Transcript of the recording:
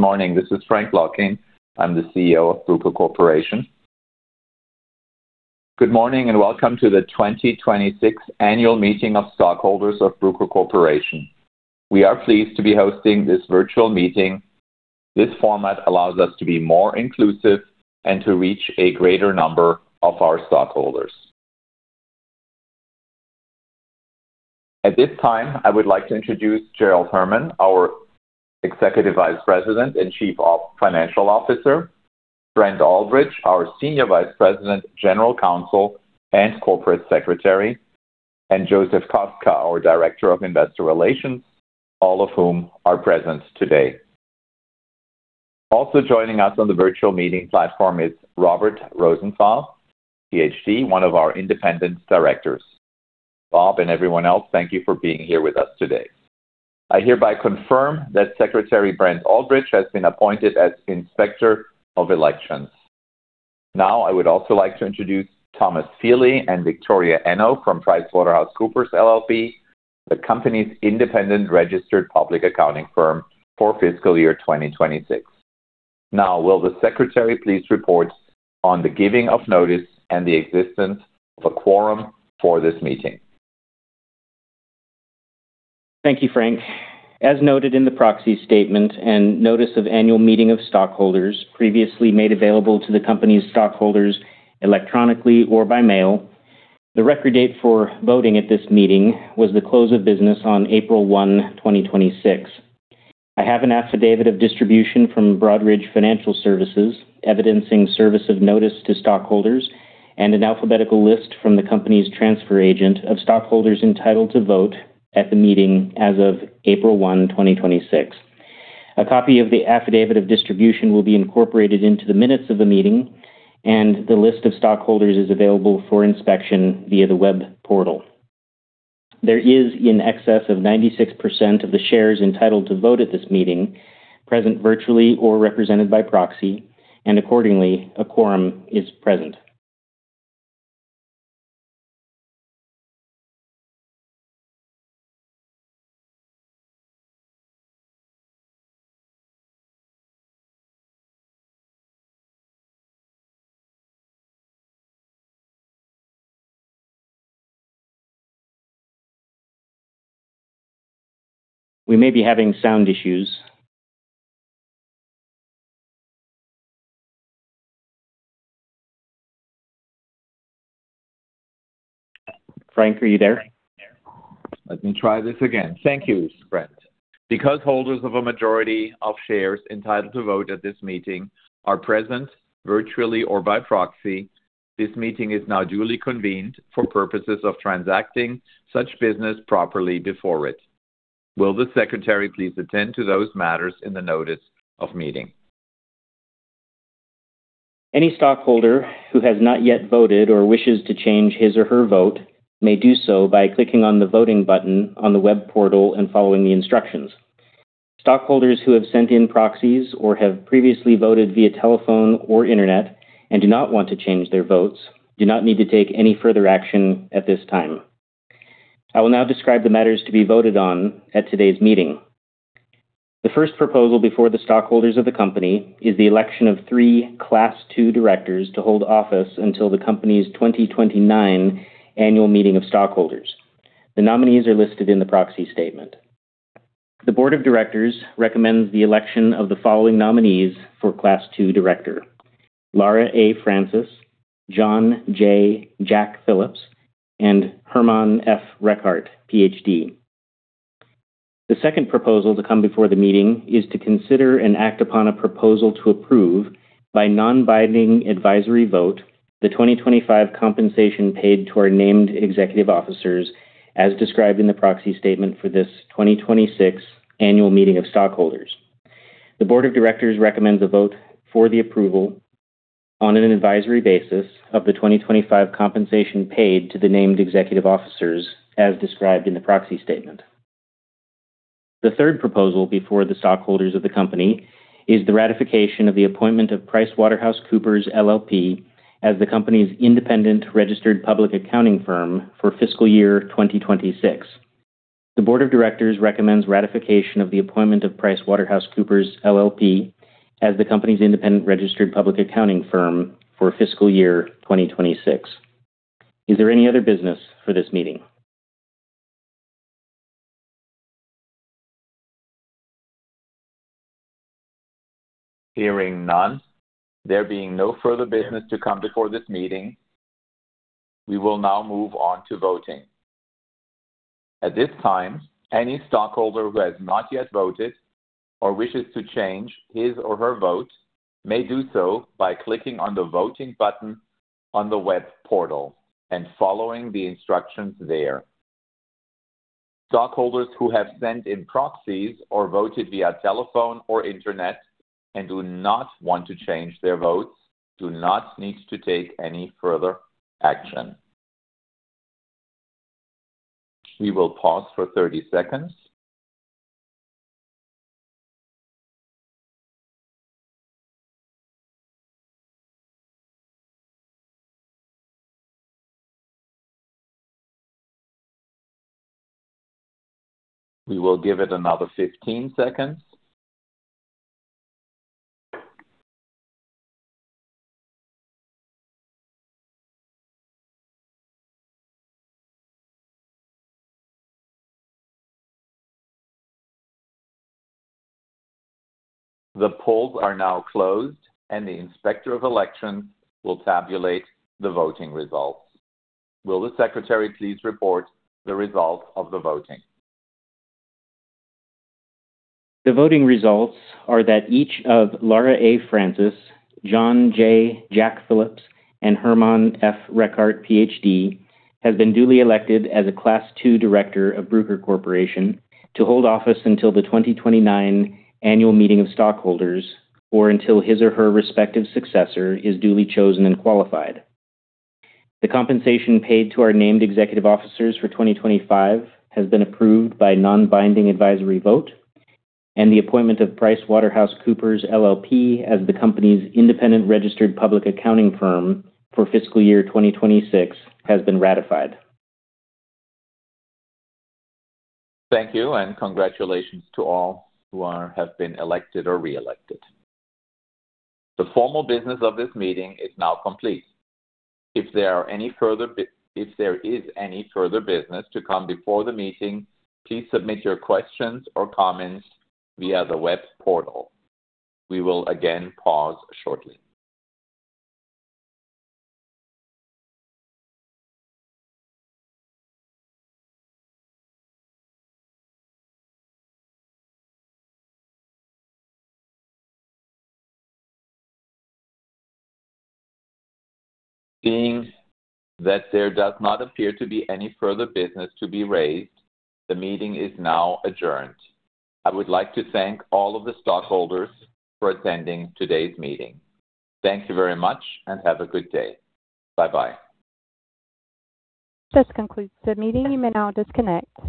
Morning. This is Frank H. Laukien. I'm the CEO of Bruker Corporation. Good morning, and welcome to the 2026 annual meeting of stockholders of Bruker Corporation. We are pleased to be hosting this virtual meeting. This format allows us to be more inclusive and to reach a greater number of our stockholders. At this time, I would like to introduce Gerald N. Herman, our Executive Vice President and Chief Financial Officer, Brent Aldridge, our Senior Vice President, General Counsel, and Corporate Secretary, and Joe Kostka, our Director of Investor Relations, all of whom are present today. Joining us on the virtual meeting platform is Robert J. Rosenthal, PhD, one of our independent directors. Bob and everyone else, thank you for being here with us today. I hereby confirm that Secretary Brent Aldridge has been appointed as Inspector of Elections. I would also like to introduce Thomas Feely and Victoria Eno from PricewaterhouseCoopers, LLP, the company's independent registered public accounting firm for fiscal year 2026. Will the secretary please report on the giving of notice and the existence of a quorum for this meeting? Thank you, Frank. As noted in the proxy statement and notice of annual meeting of stockholders previously made available to the company's stockholders electronically or by mail, the record date for voting at this meeting was the close of business on April 1, 2026. I have an affidavit of distribution from Broadridge Financial Solutions evidencing service of notice to stockholders and an alphabetical list from the company's transfer agent of stockholders entitled to vote at the meeting as of April 1, 2026. A copy of the affidavit of distribution will be incorporated into the minutes of the meeting, and the list of stockholders is available for inspection via the web portal. There is in excess of 96% of the shares entitled to vote at this meeting, present virtually or represented by proxy, and accordingly, a quorum is present. We may be having sound issues. Frank, are you there? Let me try this again. Thank you, Brent. Because holders of a majority of shares entitled to vote at this meeting are present virtually or by proxy, this meeting is now duly convened for purposes of transacting such business properly before it. Will the secretary please attend to those matters in the notice of meeting? Any stockholder who has not yet voted or wishes to change his or her vote may do so by clicking on the voting button on the web portal and following the instructions. Stockholders who have sent in proxies or have previously voted via telephone or internet and do not want to change their votes do not need to take any further action at this time. I will now describe the matters to be voted on at today's meeting. The first proposal before the stockholders of the company is the election of 3 Class II directors to hold office until the company's 2029 annual meeting of stockholders. The nominees are listed in the proxy statement. The board of directors recommends the election of the following nominees for Class II director: Laura A. Francis, John J. "Jack" Phillips, and Hermann Requardt, PhD. The second proposal to come before the meeting is to consider and act upon a proposal to approve by non-binding advisory vote the 2025 compensation paid to our named executive officers as described in the proxy statement for this 2026 annual meeting of stockholders. The board of directors recommends a vote for the approval on an advisory basis of the 2025 compensation paid to the named executive officers as described in the proxy statement. The third proposal before the stockholders of the company is the ratification of the appointment of PricewaterhouseCoopers, LLP as the company's independent registered public accounting firm for fiscal year 2026. The board of directors recommends ratification of the appointment of PricewaterhouseCoopers, LLP as the company's independent registered public accounting firm for fiscal year 2026. Is there any other business for this meetinG? Hearing none, there being no further business to come before this meeting, we will now move on to voting. At this time, any stockholder who has not yet voted or wishes to change his or her vote may do so by clicking on the voting button on the web portal and following the instructions there. Stockholders who have sent in proxies or voted via telephone or internet and do not want to change their votes do not need to take any further action. We will pause for 30 seconds. We will give it another 15 seconds. The polls are now closed, and the Inspector of Elections will tabulate the voting results. Will the Secretary please report the results of the voting? The voting results are that each of Laura A. Francis, Jack Phillips, and Hermann Requardt, PhD, has been duly elected as a Class II Director of Bruker Corporation to hold office until the 2029 annual meeting of stockholders or until his or her respective successor is duly chosen and qualified. The compensation paid to our named executive officers for 2025 has been approved by non-binding advisory vote, and the appointment of PricewaterhouseCoopers, LLP as the company's independent registered public accounting firm for fiscal year 2026 has been ratified. Thank you, and congratulations to all who have been elected or reelected. The formal business of this meeting is now complete. If there is any further business to come before the meeting, please submit your questions or comments via the web portal. We will again pause shortly. Seeing that there does not appear to be any further business to be raised, the meeting is now adjourned. I would like to thank all of the stockholders for attending today's meeting. Thank you very much and have a good day. Bye-bye. This concludes the meeting. You may now disconnect.